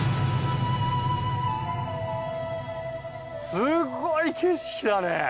すっごい景色だね。